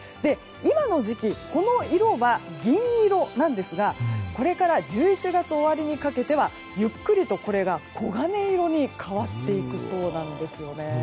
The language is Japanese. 今の時期穂の色は銀色なんですがこれから１１月終わりにかけてはゆっくりと、これが黄金色に変わっていくそうなんですよね。